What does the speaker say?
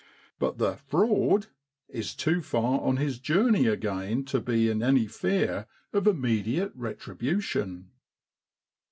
But the ' frawd ' is too far on his journey again to be in any fear of immediate retribution.